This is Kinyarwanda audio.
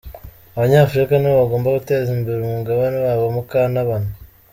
Abanyafurika nibo bagomba guteza imbere umugabane wabo Mukantabana